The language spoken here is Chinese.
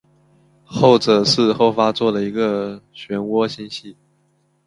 后者是后发座的一个旋涡星系。